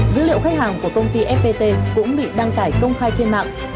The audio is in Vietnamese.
dữ liệu khách hàng của công ty fpt cũng bị đăng tải công khai trên mạng